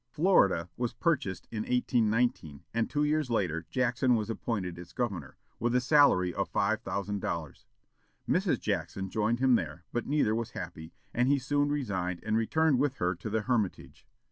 Florida was purchased in 1819, and two years later Jackson was appointed its governor, with a salary of five thousand dollars. Mrs. Jackson joined him there, but neither was happy, and he soon resigned, and returned with her to the Hermitage.